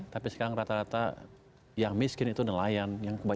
tapi sekarang rata rata yang miskin itu nelayan